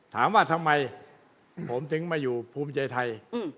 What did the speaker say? ถามว่าทำไมผมถึงมาอยู่ภูมิใจไทย